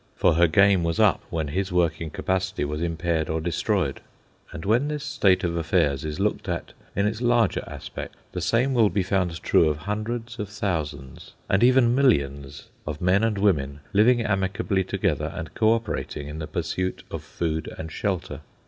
For her game was up when his working capacity was impaired or destroyed. And when this state of affairs is looked at in its larger aspect, the same will be found true of hundreds of thousands and even millions of men and women living amicably together and co operating in the pursuit of food and shelter.